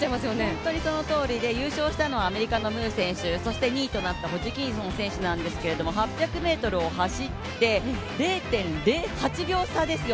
本当にそのとおりで、優勝したのはアメリカのムー選手そして２位となったホジキンソン選手なんですけども８００ｍを走って、０．０８秒差ですよ。